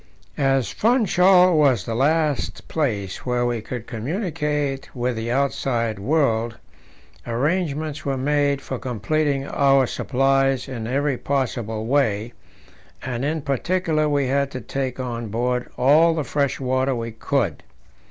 As Funchal was the last place where we could communicate with the outside world, arrangements were made for completing our supplies in every possible way, and in particular we had to take on board all the fresh water we could.